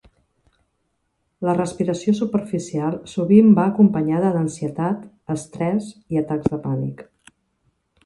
La respiració superficial sovint va acompanyada d'ansietat, estrès i atacs de pànic.